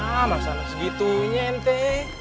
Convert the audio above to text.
masalah masalah segitu ini ente